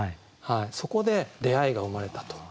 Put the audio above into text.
そこで出会いが生まれたと。